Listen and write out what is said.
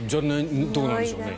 どうなんでしょうね。